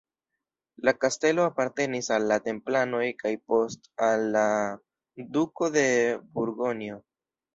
La kastelo apartenis al la templanoj kaj post al la duko de Burgonjo.